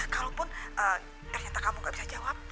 kalaupun ternyata kamu gak bisa jawab